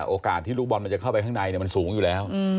โอกาสที่ลูกบอลมันจะเข้าไปข้างในมันสูงอยู่แล้ว